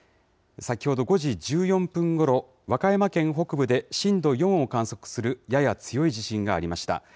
先ほど５時１４分ごろ、和歌山県北部で震度４を観測するやや強い地震がありました。